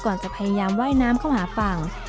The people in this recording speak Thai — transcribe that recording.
จะพยายามว่ายน้ำเข้าหาฝั่ง